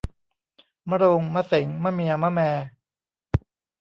มะโรง มะเส็ง มะเมีย มะแม